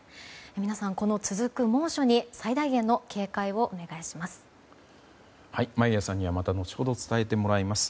皆さん、続く猛暑に最大限の警戒をお願いします。